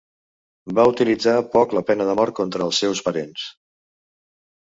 Va utilitzar poc la pena de mort contra els seus parents.